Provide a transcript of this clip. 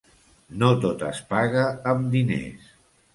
No tot es paga amb diners.